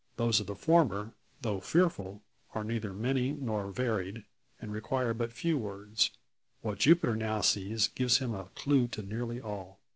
Those of the former, though fearful, are neither many nor varied, and require but few words. What Jupiter now sees gives him a clue to nearly all.